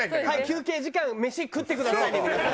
「休憩時間メシ食ってくださいね皆さん」